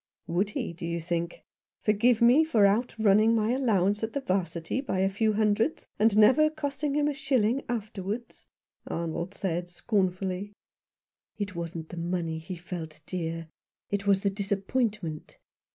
" Would he, do you think ? Forgive me for outrunning my allowance at the 'Varsity by a few hundreds, and never costing him a shilling after wards," Arnold said scornfully. "It wasn't the money he felt, dear. It was the disappointment.